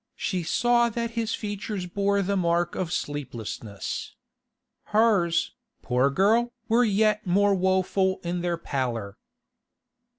She saw that his features bore the mark of sleeplessness. Hers, poor girl! were yet more woeful in their pallor.